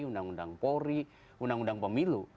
undang undang polri undang undang pemilu